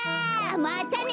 またね！